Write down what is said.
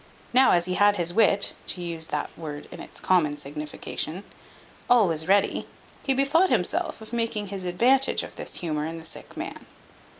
Now as he had his wit (to use that word in its common signification) always ready, he bethought himself of making his advantage of this humour in the sick man.